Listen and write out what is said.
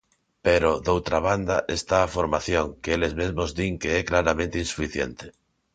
Pero, doutra banda, está a formación, que eles mesmos din que é claramente insuficiente.